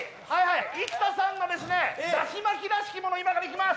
生田さんのだし巻きらしきもの今からいきます！